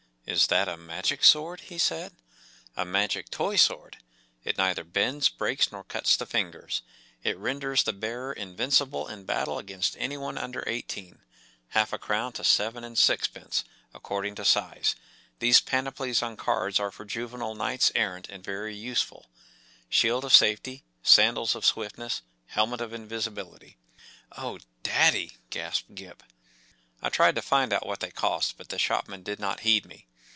“ Is that a Magic Sword ? ” he said. “ A Magic Toy Sword. It neither bends, breaks, nor cuts the fingers. It renders the bearer invincible in battle against anyone under eighteen. Half a crown to seven and sixpence, according to size. These panoplies on cards are for juvenile knights errant and very useful; shield of safety, sandals of swiftness, helmet of invisibility.” “ Oh, daddy ! ” gasped Gip. I tried to find out what they cost, but the shopman did not heed me.